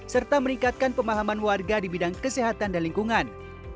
serta meningkatkan pemahaman warga di bidang kesehatan dan lingkungan